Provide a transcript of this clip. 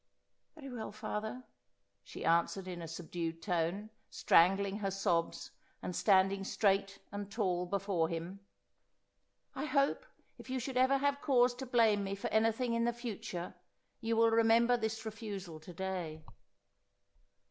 ' Very well, father,' she answered in a subdued tone, stran gling her sobs and standing straight and tall before him. ' I hope if you should ever have cause to blame me for anything in the future you will remember this refusal to day.'